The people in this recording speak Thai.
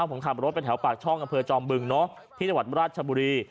ผมขับรถไปแถวปากช่องอำเภอจอมบึงที่จังหวัดราชบุรี